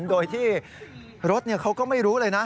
โดยที่รถเขาก็ไม่รู้เลยนะ